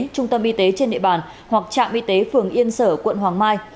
trung tâm y tế trên địa bàn hoặc trạm y tế phường yên sở quận hoàng mai